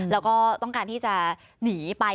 แล้วก็ต้องการที่จะหนีไป